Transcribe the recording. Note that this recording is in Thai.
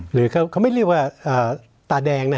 หรือเขาไม่เรียกว่าตาแดงนะ